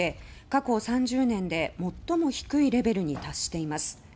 過去３０年で最も低いレベルに達しています。